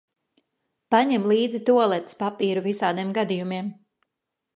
Paņem līdzi tualetes papīru, visādiem gadījumiem.